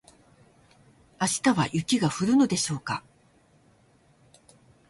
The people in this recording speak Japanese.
明日は雪が降るのでしょうか